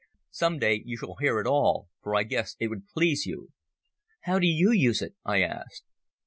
Some day you shall hear it all, for I guess it would please you." "How do you use it?" I asked.